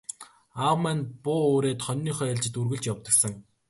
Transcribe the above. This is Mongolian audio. Аав маань буу үүрээд хониныхоо ээлжид үргэлж явдаг сан.